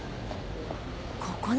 ここね。